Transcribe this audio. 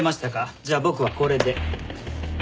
じゃあ僕はこれで。